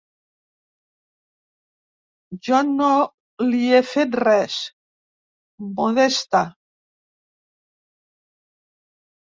Jo no li he fet res, Modesta.